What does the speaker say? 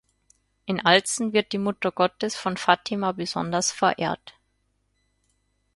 In Alzen wird die Muttergottes von Fatima besonders verehrt.